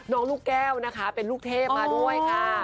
ลูกแก้วนะคะเป็นลูกเทพมาด้วยค่ะ